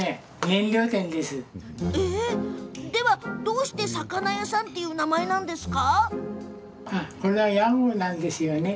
どうして魚屋さんっていう名前なんですか？